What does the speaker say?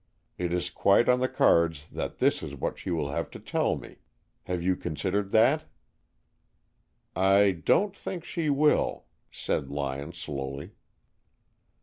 It is quite on the cards that that is what she will have to tell me, too. Have you considered that?" "I don't think she will," said Lyon slowly.